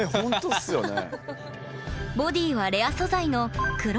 ボディはレア素材の「黒柿」。